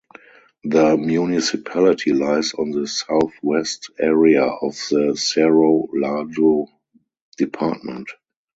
The municipality lies on the southwest area of the Cerro Largo Department.